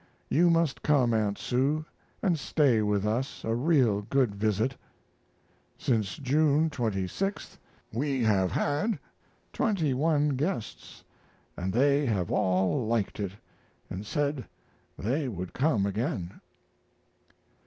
You must come, Aunt Sue, & stay with us a real good visit. Since June 26 we have had 21 guests, & they have all liked it and said they would come again.